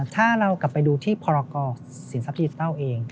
ถ้าเรากลับไปดูที่พรกรสินทรัพดิจิทัลเอง